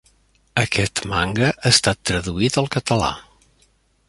Aquest manga ha estat traduït al català.